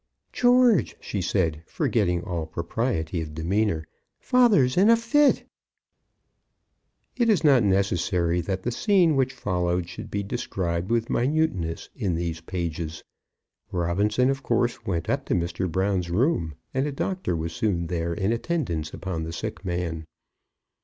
"George," she said, forgetting all propriety of demeanour, "father's in a fit!" It is not necessary that the scene which followed should be described with minuteness in these pages. Robinson, of course, went up to Mr. Brown's room, and a doctor was soon there in attendance upon the sick man.